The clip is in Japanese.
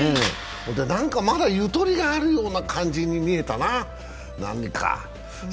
何かまだゆとりがあるような感じに見えたな、何か。